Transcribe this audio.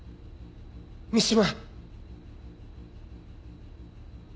三島！